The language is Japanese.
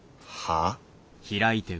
はあ？